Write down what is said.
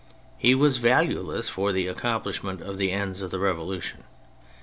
He was value less for the accomplishment of the ends of the Revolution.